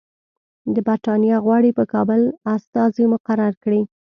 برټانیه غواړي په کابل استازی مقرر کړي.